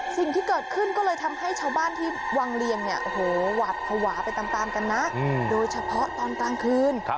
สิ่งที่เกิดขึ้นก็เลยทำให้ชาวบ้านที่วังเลียงเนี่ยโอ้โหหวัดภาวะไปตามกันนะโดยเฉพาะตอนกลางคืน